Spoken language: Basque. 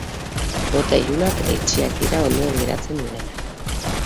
Bota ilunak eta itxiak dira ondoen geratzen direnak.